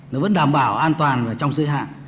nó vẫn đảm bảo an toàn và trong giới hạn